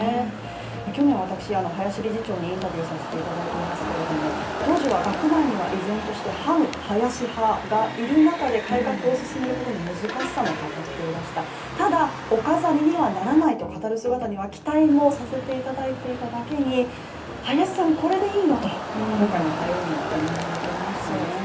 去年私、林理事長にインタビューさせていただいておりますけれども当時は学内には依然として反林派がいる中で改革を進めることの難しさも語っていらした、ただ、お飾りにはならないと語る姿には期待もさせていただいただけに林さん、これでいいのと、今回の対応には疑問が残りましたね。